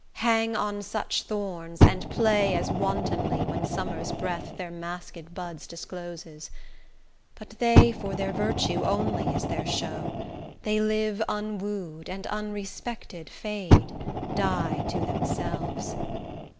Hang on such thorns, and play as wantonly When summer's breath their masked buds discloses: But, for their virtue only is their show, They live unwoo'd, and unrespected fade; Die to themselves.